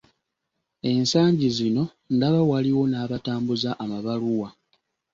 Ensangi zino ndaba waliwo n'abatambuza amabaluwa.